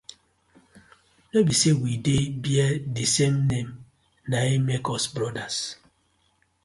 No bi say we dey bear di same na im make us brothers.